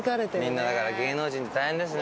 みんなだから芸能人って大変ですね。